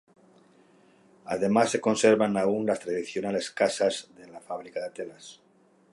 Además se conservan aún las tradicionales casas de la fábrica de telas.